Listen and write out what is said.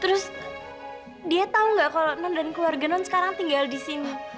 terus dia tahu nggak kalau non dan keluarga non sekarang tinggal di sini